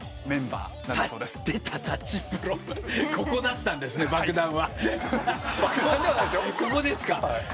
ここですか。